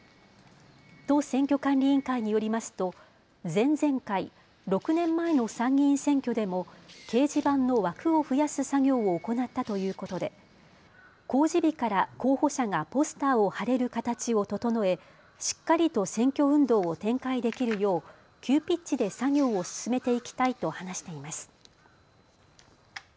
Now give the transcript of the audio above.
都選挙管理委員会によりますと前々回、６年前の参議院選挙でも掲示板の枠を増やす作業を行ったということで公示日から候補者がポスターを貼れる形を整え、しっかりと選挙運動を展開できるよう急ピッチで作業を進めていきたいと話しています。